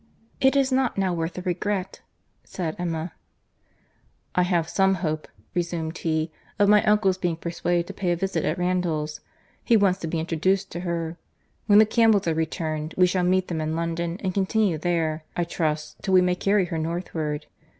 "It is not now worth a regret," said Emma. "I have some hope," resumed he, "of my uncle's being persuaded to pay a visit at Randalls; he wants to be introduced to her. When the Campbells are returned, we shall meet them in London, and continue there, I trust, till we may carry her northward.